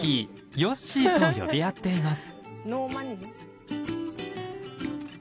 「よっしー」と呼び合っています。